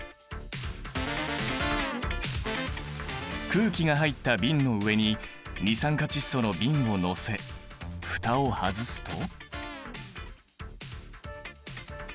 空気が入った瓶の上に二酸化窒素の瓶をのせ蓋を外すと？